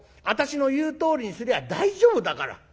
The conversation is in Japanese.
私の言うとおりにすりゃ大丈夫だから。